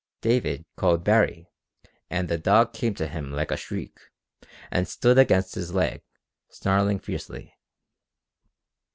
David called to Baree and the dog came to him like a streak and stood against his leg, snarling fiercely.